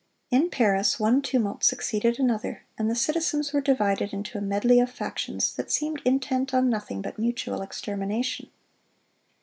"In Paris one tumult succeeded another, and the citizens were divided into a medley of factions, that seemed intent on nothing but mutual extermination."